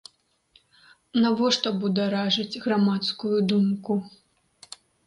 Навошта бударажыць грамадскую думку?